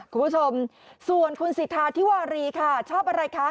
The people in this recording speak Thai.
คุณผู้ชมส่วนคุณสิทธาธิวารีค่ะชอบอะไรคะ